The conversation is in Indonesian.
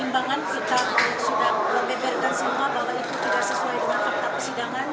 bukan soal poni